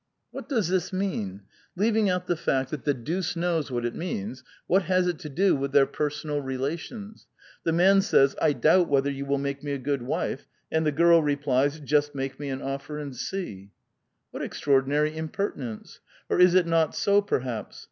*' What does this mean? Leaving out the fact that the deuce knows what it means, what has it to do with their per sonal relations? The man says, 'I doubt whether you will make me a good wife '; and the girl replies, 'Just make me an offer and see !'" What extraordinary impertinence ! Or is it not. so, per haps